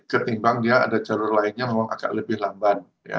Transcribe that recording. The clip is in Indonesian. ketimbangnya ada jalur lainnya memang agak lebih lambat